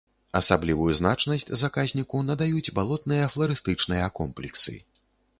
Асаблівую значнасць заказніку надаюць балотныя фларыстычныя комплексы.